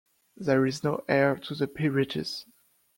There is no heir to the peerages.